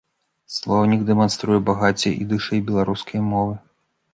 Слоўнік дэманструе багацце ідыша і беларускай мовы.